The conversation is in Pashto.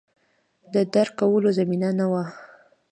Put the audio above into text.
د درک کولو زمینه نه وه